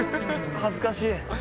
はずかしい。